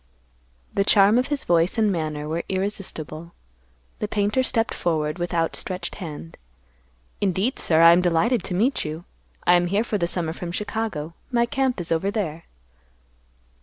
The charm of his voice and manner were irresistible. The painter stepped forward with outstretched hand, "Indeed, sir; I am delighted to meet you. I am here for the summer from Chicago. My camp is over there."